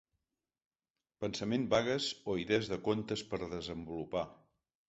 Pensaments vagues o idees de contes per desenvolupar.